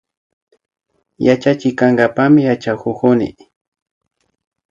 Yachachik kankapakmi yachakukuni